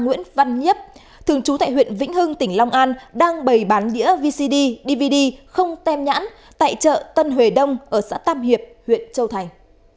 nguyễn văn nhiếp thường trú tại huyện vĩnh hưng tỉnh long an đang bày bán đĩa vcd dvd không tem nhãn tại chợ tân huế đông ở xã tam hiệp huyện châu thành